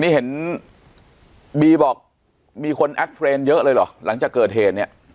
นี่เห็นบีบอกมีคนแอดเฟรนด์เยอะเลยเหรอหลังจากเกิดเหตุเนี่ย